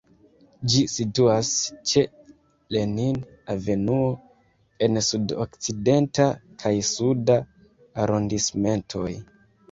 Ĝi situas ĉe Lenin-avenuo en Sud-Okcidenta kaj Suda arondismentoj.